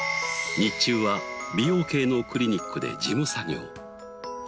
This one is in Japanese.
日中は美容系のクリニックで事務作業。